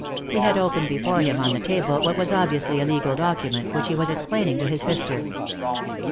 He had open before him on the table what was obviously a legal document, which he was ex plaining to his sister.